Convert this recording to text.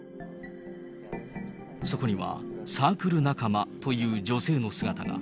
そこには、サークル仲間という女性の姿が。